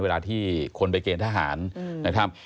เวลาที่คนไปเกณฑ์ทหารนะครับ